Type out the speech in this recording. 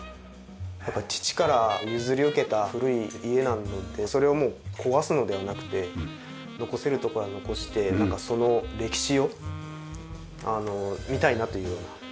やっぱ父から譲り受けた古い家なのでそれを壊すのではなくて残せるところは残してその歴史を見たいなというような。